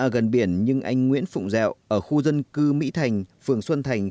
đã được tham gia một cuộc sống tốt đẹp